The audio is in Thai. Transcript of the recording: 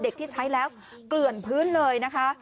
ที่ใช้แล้วเกลื่อนพื้นเลยนะคะ